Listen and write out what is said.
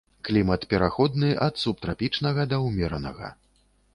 Клімат пераходны ад субтрапічнага да ўмеранага.